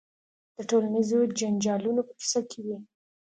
د ټولنیزو جنجالونو په کیسه کې وي.